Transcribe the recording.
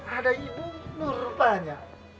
ada ibu murah banyak